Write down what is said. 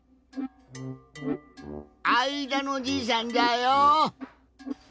あいだのじいさんじゃよ。